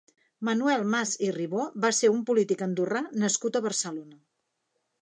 Manuel Mas i Ribó va ser un polític andorrà nascut a Barcelona.